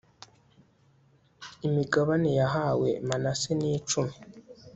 imigabane yahawe manase ni icumi